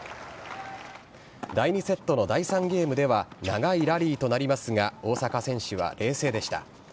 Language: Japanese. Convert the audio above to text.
第２セットの第３ゲームでは、長いラリーとなりますが、大坂選手は冷静でした。